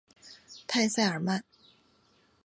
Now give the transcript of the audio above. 戈塞尔曼。